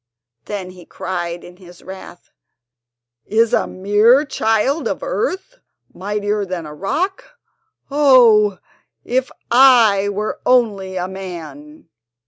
Then he cried in his wrath: "Is a mere child of earth mightier than a rock? Oh, if I were only a man!"